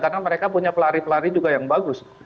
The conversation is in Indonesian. karena mereka punya pelari pelari juga yang bagus